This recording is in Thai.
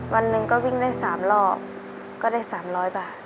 วันหนึ่งก็วิ่งได้สามรอบก็ได้สามร้อยบาท